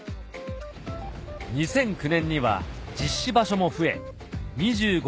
２００９年には実施場所も増え２５